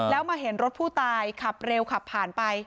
แล้วมาเห็นรถผู้ตายขับเร็วขับผ่านไป